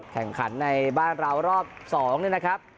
แข่งขันในบ้านเรารอบ๒นี่นะครับ